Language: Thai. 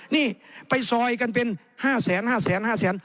นี่ไปซอยกันเป็นห้าแสนห้าแสนห้าแสน